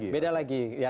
beda lagi ya